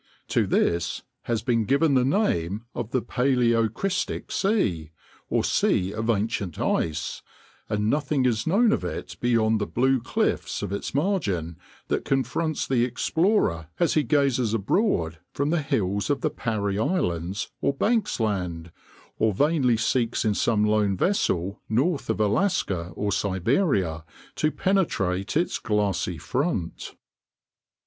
To this has been given the name of the Paleocrystic Sea, or sea of ancient ice, and nothing is known of it beyond the blue cliffs of its margin that confronts the explorer as he gazes abroad from the hills of the Parry Islands or Banks Land, or vainly seeks in some lone vessel north of Alaska or Siberia to penetrate its glassy front.